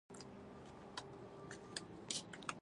د ماشومانو لوبتکې د موټر په لاره کې پرتې وي